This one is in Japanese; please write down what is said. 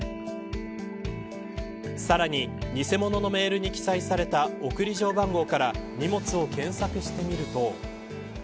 さらに偽物のメールに記載された送り状番号から荷物を検索してみると。